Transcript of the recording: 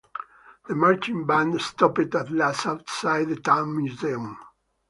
The marching band stopped at last outside the town museum.